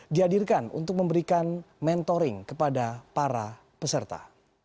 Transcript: dihadirkan untuk memberikan mentoring kepada para peserta